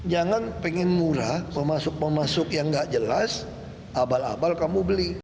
jangan pengen murah memasuk memasuk yang gak jelas abal abal kamu beli